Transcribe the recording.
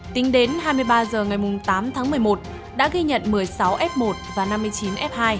tính đến hai mươi ba h ngày tám tháng một mươi một đã ghi nhận một mươi sáu f một và năm mươi chín f hai